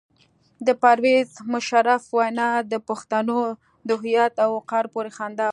د پرویز مشرف وینا د پښتنو د هویت او وقار پورې خندا وه.